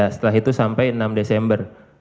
setelah itu sampai enam desember